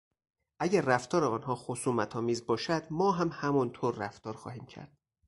اگر رفتار آنها خصومتآمیز باشد ما هم همانطور رفتار خواهیم کرد.